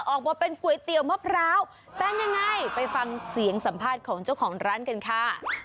ออกมาเป็นก๋วยเตี๋ยวมะพร้าวเป็นยังไงไปฟังเสียงสัมภาษณ์ของเจ้าของร้านกันค่ะ